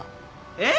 えっ！？